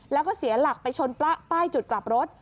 แล้วก็เสียหลักไปชนป้ายจุดกลับรถ